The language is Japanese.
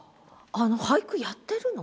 俳句やってるの？